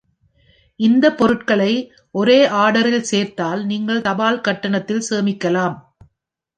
இந்த பொருட்களை ஒரே ஆர்டரில் சேர்த்தால், நீங்கள் தபால் கட்டணத்தில் சேமிக்கலாம்.